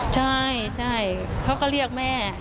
ใช่เขาก็เรียกแม่